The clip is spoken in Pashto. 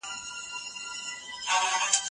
شکنجه د انسانیت په وړاندي جنایت دی.